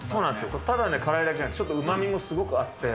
これ、ただ辛いだけじゃなくて、うまみもすごくあって。